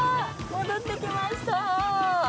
戻ってきました。